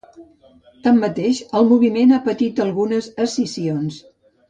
Tanmateix, el moviment ha patit algunes escissions.